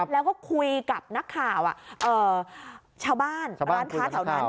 แล้วก็คุยกับนักข่าวชาวบ้านร้านค้าแถวนั้น